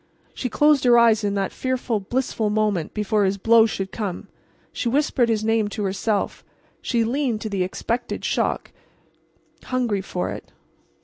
She closed her eyes in that fearful, blissful moment before his blow should come—she whispered his name to herself—she leaned to the expected shock, hungry for it.